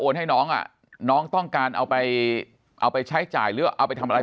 ให้น้องอ่ะน้องน้องต้องการเอาไปเอาไปใช้จ่ายหรือเอาไปทำอะไร